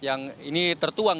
yang ini tertuang